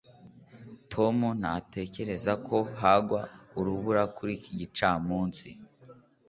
tom ntatekereza ko hagwa urubura kuri iki gicamunsi